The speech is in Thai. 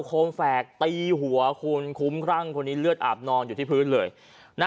โคมแฝกตีหัวคุณคุ้มครั่งคนนี้เลือดอาบนอนอยู่ที่พื้นเลยนะ